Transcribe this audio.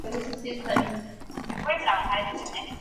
Una ronda se acaba cuando todos los jugadores pasan.